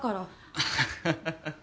アハハハ。